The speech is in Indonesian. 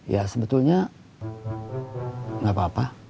ya sebetulnya nggak apa apa